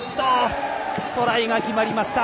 トライが決まりました。